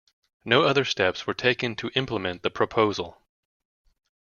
No other steps were taken to implement the proposal.